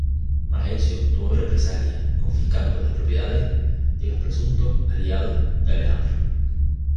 Majencio tomó represalias, confiscando las propiedades de los presuntos aliados de Alejandro.